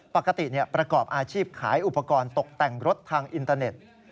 ปกติประกอบอาชีพขายอุปกรณ์ตกแต่งรถทางอินเตอร์เน็ต